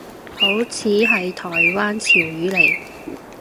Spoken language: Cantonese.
好似係台灣潮語嚟